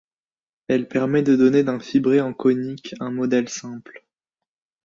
Elle permet de donner d'un fibré en conique un modèle simple.